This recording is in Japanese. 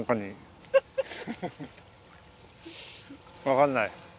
分かんない？